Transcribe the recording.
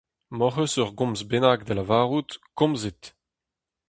M’hoc’h eus ur gomz bennak da lavarout, komzit !